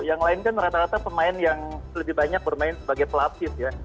yang lain kan rata rata pemain yang lebih banyak bermain sebagai pelatih ya